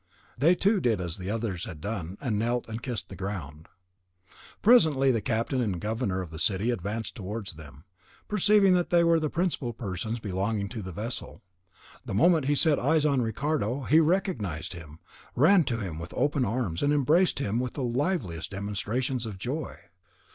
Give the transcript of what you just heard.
They too did as the others had done, and knelt and kissed the ground. Presently the captain and governor of the city advanced towards them, perceiving that they were the principal persons belonging to the vessel. The moment he set eyes on Ricardo he recognised him, ran to him with open arms, and embraced him with the liveliest demonstrations of joy.